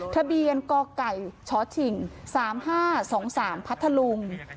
ทะเบียนกไก่ชชิง๓๕๒๓พัทธลุง